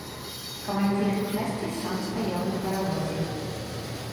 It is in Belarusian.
Камандзір часці сам стаяў на паравозе.